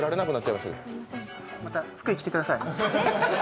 また福井来てください。